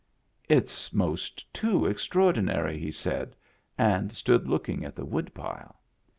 "It's most too extraordinary," he said, and stood looking at the woodpile.